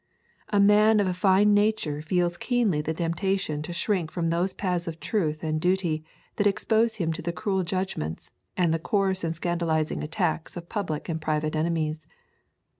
A man of a fine nature feels keenly the temptation to shrink from those paths of truth and duty that expose him to the cruel judgments and the coarse and scandalising attacks of public and private enemies.